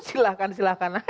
silahkan silahkan saja